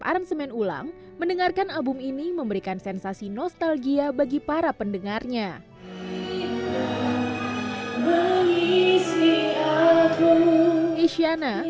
aransemen ulang mendengarkan album ini memberikan sensasi nostalgia bagi para pendengarnya isyana